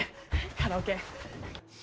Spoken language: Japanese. カラオケ。